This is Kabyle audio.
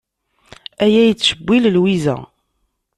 Aya yettcewwil Lwiza.